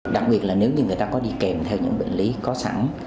đặc biệt là nếu như người ta có đi kèm theo những bệnh lý có sẵn